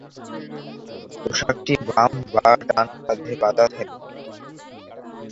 পোশাকটি বাম বা ডান কাঁধে বাঁধা থাকে।